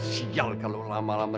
sial kalau lama lama